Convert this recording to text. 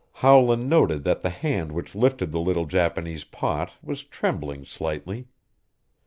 Howland noted that the hand which lifted the little Japanese pot was trembling slightly.